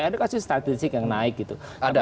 dia kasih statistik yang naik gitu